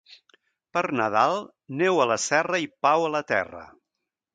Per Nadal, neu a la serra i pau a la terra.